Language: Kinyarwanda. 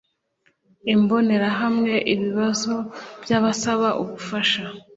Imbonerahamwe Ibibazo by abasaba ubufasha